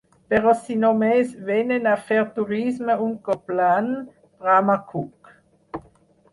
Però si només vénen a fer turisme un cop l'any —brama Cook.